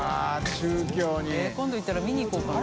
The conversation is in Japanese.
今度行ったら見にいこうかな。